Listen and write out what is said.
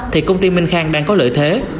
thì công ty minh khang đang có lợi thế